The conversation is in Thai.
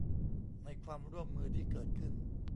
ในความร่วมมือที่เกิดขึ้น